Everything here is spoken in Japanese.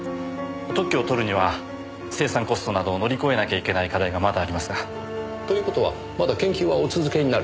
特許を取るには生産コストなど乗り越えなきゃいけない課題がまだありますが。という事はまだ研究はお続けになる。